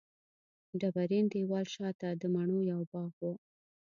ډبرین دېوال شاته د مڼو یو باغ و.